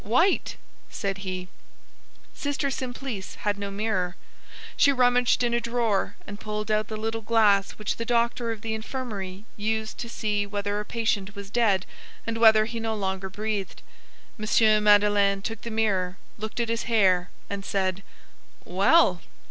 "White!" said he. Sister Simplice had no mirror. She rummaged in a drawer, and pulled out the little glass which the doctor of the infirmary used to see whether a patient was dead and whether he no longer breathed. M. Madeleine took the mirror, looked at his hair, and said:— "Well!"